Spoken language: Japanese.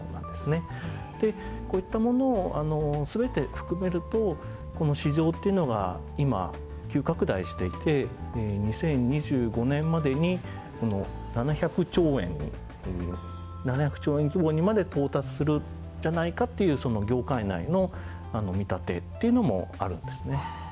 でこういったものを全て含めるとこの市場っていうのが今急拡大していて２０２５年までに７００兆円という７００兆円規模にまで到達するんじゃないかっていう業界内の見立てっていうのもあるんですね。